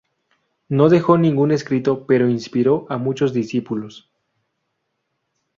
No dejó ningún escrito, pero inspiró a muchos discípulos.